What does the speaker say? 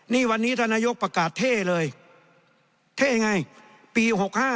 นี่วันนี้ท่านนายกประกาศเท่เลยเท่ยังไงปี๖๕